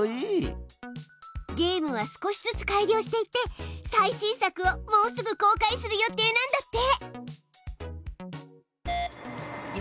ゲームは少しずつ改良していって最新作をもうすぐ公開する予定なんだって。